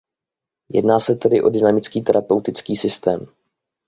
Jedná se tedy o dynamický terapeutický systém.